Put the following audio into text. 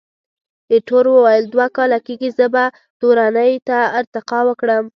ایټور وویل، دوه کاله کېږي، زه به تورنۍ ته ارتقا وکړم.